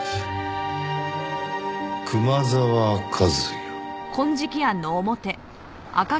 熊沢和也。